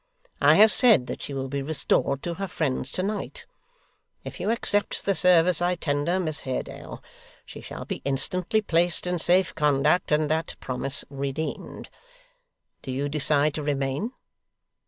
I have said that she will be restored to her friends to night. If you accept the service I tender, Miss Haredale, she shall be instantly placed in safe conduct, and that promise redeemed. Do you decide to remain?